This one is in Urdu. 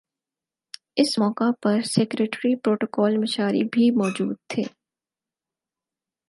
اس موقع پر سیکریٹری پروٹوکول مشاری بھی موجود تھے